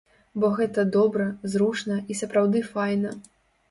Бо гэта добра, зручна і сапраўды файна.